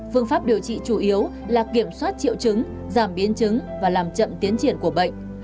phương pháp điều trị chủ yếu là kiểm soát triệu chứng giảm biến chứng và làm chậm tiến triển của bệnh